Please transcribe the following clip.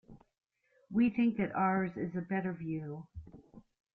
We think that ours is the better view.